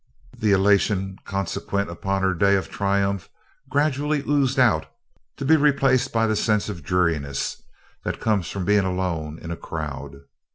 The elation consequent upon her day of triumph gradually oozed out, to be replaced by the sense of dreariness that comes from being alone in a crowd.